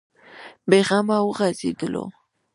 بې غمه وغځېدلو.